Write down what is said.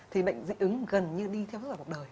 thì bệnh lý ứng gần như đi theo suốt cả cuộc đời